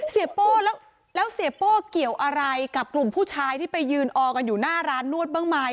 เสียโป้แล้วเสียโป้เกี่ยวอะไรกับกลุ่มผู้ชายไปยืนออกด้านร้านนวดบ้างมั้ย